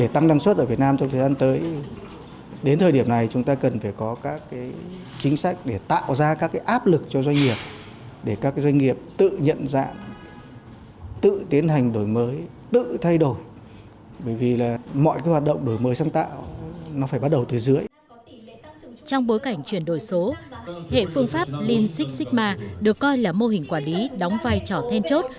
trong bối cảnh chuyển đổi số hệ phương pháp lean six sigma được coi là mô hình quản lý đóng vai trò then chốt